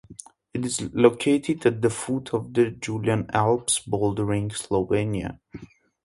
It is located at the foot of the Julian Alps, bordering Slovenia.